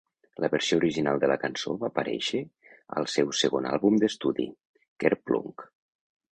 La versió original de la cançó va aparèixer al seu segon àlbum d'estudi, "Kerplunk".